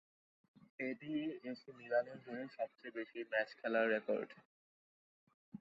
এটিই এসি মিলানের হয়ে সবচেয়ে বেশি ম্যাচ খেলার রেকর্ড।